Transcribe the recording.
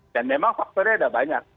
dan memang faktornya ada banyak